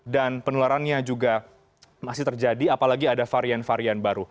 dan penularannya juga masih terjadi apalagi ada varian varian baru